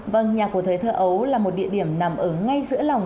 vâng nhà của thời thơ ấu là một địa điểm nằm ở ngay giữa lòng